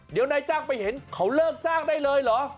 เดี๋ยวนายจ้างไปเห็นเขาเลิกจ้างได้เลยเหรอ